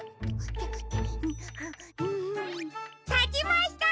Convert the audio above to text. たちました！